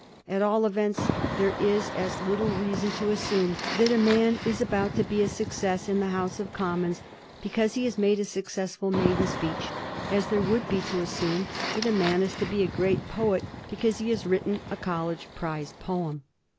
At all events, there is as little reason to assume that a man is about to be a success in the House of Commons because he has made a successful maiden speech as there would be to assume that a man is to be a great poet because he has written a college prize poem.